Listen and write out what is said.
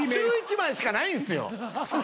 １１枚しかないんすよ。